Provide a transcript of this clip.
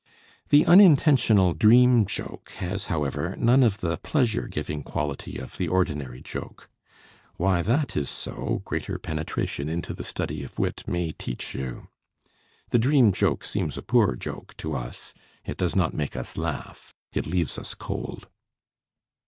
The unintentional "dream joke" has, however, none of the pleasure giving quality of the ordinary joke. Why that is so, greater penetration into the study of wit may teach you. The "dream joke" seems a poor joke to us, it does not make us laugh, it leaves us cold.